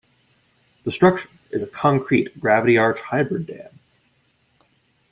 The structure is a concrete gravity-arch hybrid dam.